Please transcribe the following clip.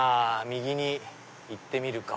右に行ってみるか。